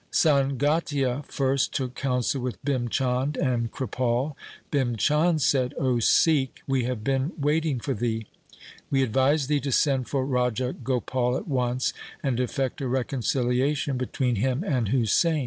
Sangatia first took counsel with Bhim Chand and 58 THE SIKH RELIGION Kripal. Bhim Chand said, ' O Sikh, we have been waiting for thee. We advise thee to send for Raja Gopal at once, and effect a reconciliation between him and Husain.'